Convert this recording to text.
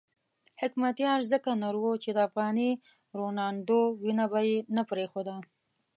حکمتیار ځکه نر وو چې د افغاني روڼاندو وینه به یې نه پرېښوده.